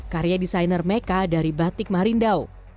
karya desainer meka dari batik marindaw